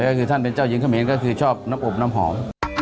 ก็คือท่านเป็นเจ้าหญิงเขมรก็คือชอบน้ำอบน้ำหอม